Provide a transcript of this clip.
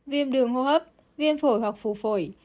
viêm đường hô hấp viêm phổi hoặc phù phổi